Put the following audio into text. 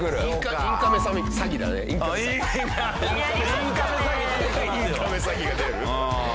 インカメ詐欺が出る。